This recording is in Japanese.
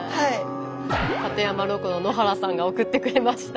館山ロコの野原さんが送ってくれました。